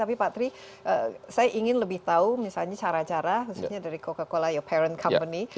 tapi pak tri saya ingin lebih tahu misalnya cara cara khususnya dari coca cola ya parent company